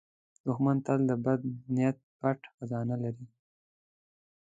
دښمن تل د بد نیت پټ خزانه لري